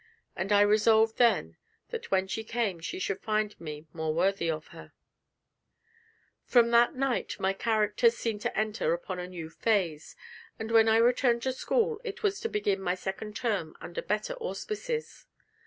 And I resolved then that when she came she should find me more worthy of her. From that night my character seemed to enter upon a new phase, and when I returned to school it was to begin my second term under better auspices.